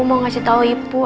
mau ngasih tau ibu